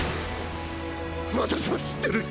私は知ってる！